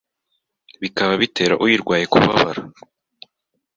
bikaba bitera uyirwaye kubabara